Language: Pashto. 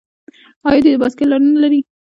آیا دوی د بایسکل لارې نلري؟